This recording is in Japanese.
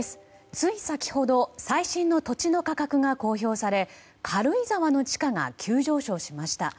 つい先ほど最新の土地の価格が公表され軽井沢の地価が急上昇しました。